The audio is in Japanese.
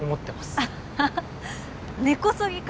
アハハ根こそぎか。